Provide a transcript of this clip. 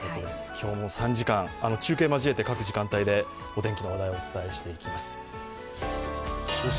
今日も３時間、中継を交えて各時間でお天気の話題をお伝えしていきます。